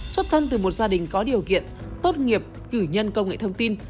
xuất thân từ một gia đình có điều kiện tốt nghiệp cử nhân công nghệ thông tin